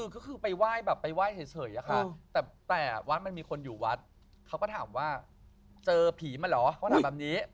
ก็คือไปไหว้แบบไปไหว้เฉยอะค่ะแต่วัดมันมีคนอยู่วัดเขาก็ถามว่าเจอผีมาเหรอเขาถามแบบนี้